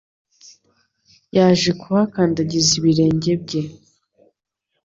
yaje kuhakandagiza ibirenge bye